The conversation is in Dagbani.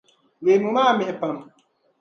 Leemu maa mihi pam.